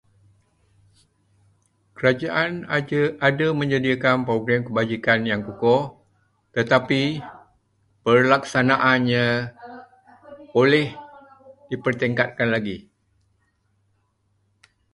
Kerajaan ada- ada menyediakan program kebajikan yang kukuh, tetapi pelaksanaannya boleh dipertingkatkan lagi.